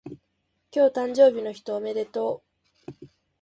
今日誕生日の人おめでとう